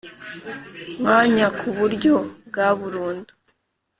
Mwanya ku buryo bwa burundu